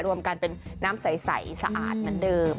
รวมกันเป็นน้ำใสสะอาดเหมือนเดิม